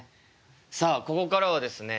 さあここからはですね